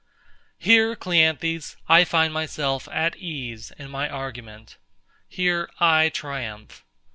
Here, CLEANTHES, I find myself at ease in my argument. Here I triumph.